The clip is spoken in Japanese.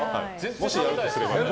もしやるとすれば。